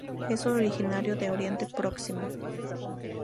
Es originario de Oriente Próximo.